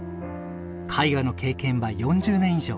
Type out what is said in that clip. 絵画の経験は４０年以上。